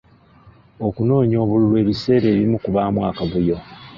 Okunoonya obululu ebiseera ebimu kubaamu akavuyo.